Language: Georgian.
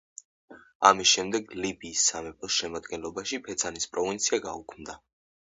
ამის შემდეგ, ლიბიის სამეფოს შემადგენლობაში ფეცანის პროვინცია გაუქმდა.